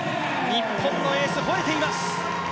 日本のエース・西田、ほえています。